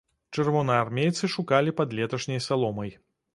Чырвонаармейцы шукалі пад леташняй саломай.